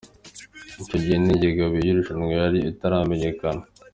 Icyo gihe n’ingengabihe y’irushanwa yari itaramenyekana.